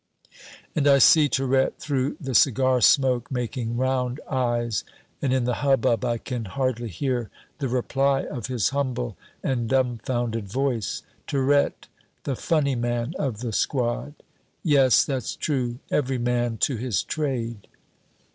And I see Tirette through the cigar smoke making round eyes, and in the hubbub I can hardly hear the reply of his humble and dumbfounded voice Tirette, the funny man of the squad! "Yes, that's true; every man to his trade."